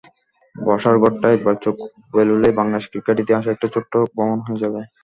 বসার ঘরটায় একবার চোখ বোলালেই বাংলাদেশের ক্রিকেট ইতিহাসে একটা ছোট্ট ভ্রমণ হয়ে যাবে।